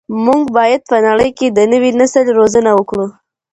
موږ باید په نړۍ کي د نوي نسل روزنه وکړو.